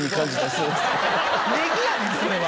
ネギやねんそれは。